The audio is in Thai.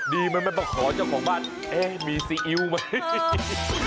ดีมันไม่มาขอเจ้าของบ้านเอ๊ะมีซีอิ๊วไหม